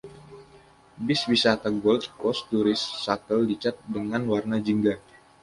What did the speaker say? Bis wisata Gold Coast Tourist Shuttle dicat dengan warna jingga.